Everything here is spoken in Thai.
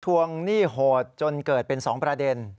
วงหนี้โหดจนเกิดเป็น๒ประเด็น